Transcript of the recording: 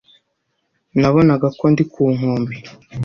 Nabonaga ko ndi ku nkombe